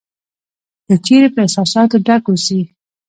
که چېرې په احساساتو ډک اوسې .